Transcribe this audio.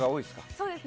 そうですね。